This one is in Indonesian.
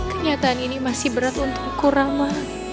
kenyataan ini masih berat untukku rama